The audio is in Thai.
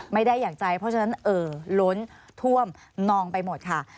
ไม่ได้อย่างใจเพราะฉะนั้นเอ่อล้นท่วมนองไปหมดค่ะ